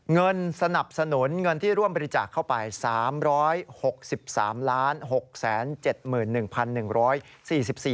เงินสนับสนุนเงินที่ร่วมบริจาคเข้าไป